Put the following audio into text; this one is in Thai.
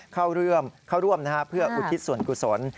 เข้าร่วมเพื่ออุทิศส่วนกุศล